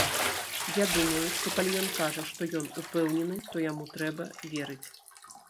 Я думаю, што калі ён кажа, што ён упэўнены, то яму трэба верыць.